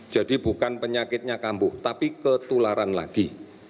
jadi bukan penyakitnya kambuh tapi ketularan lagi